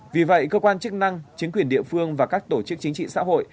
vì vậy cơ quan chức năng chính quyền địa phương và các tổ chức chính trị xã hội